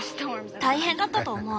大変だったと思う。